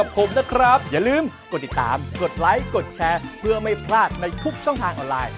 ผมนะครับอย่าลืมกดติดตามกดไลค์กดแชร์เพื่อไม่พลาดในทุกช่องทางออนไลน์